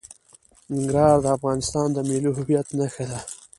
ننګرهار د افغانستان د ملي هویت نښه ده.